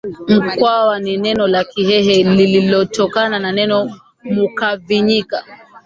mkwawa ni neno la kihehe lililotokana na neno mukwavinyika